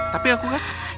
tapi aku kan